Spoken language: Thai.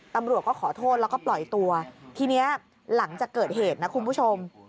ตำรวจก็ขอโทษแล้วก็ปล่อยตัวทีนี้หลังจากเกิดเหตุนะคุณผู้ชม